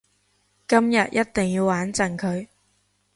今日一定要玩盡佢